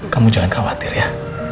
kamu jangan khawatir ya